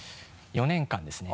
４年間ですね。